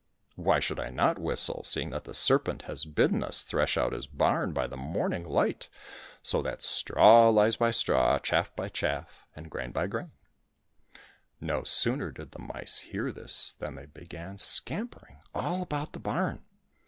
" Why should I not whistle, seeing that the serpent has bidden us thresh out his barn by the morning light, so that straw lies by straw, chaff by chaff, and grain by grain ?" No sooner did the mice hear this than they began scampering all about the barn